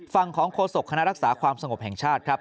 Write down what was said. ฝั่งของโฆษกคณะรักษาความสงบแห่งชาติครับ